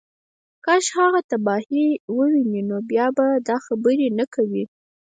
کاش هغه تباهۍ ووینې نو بیا به دا خبرې نه کوې